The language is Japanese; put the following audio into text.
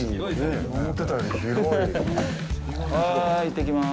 はい、行ってきます。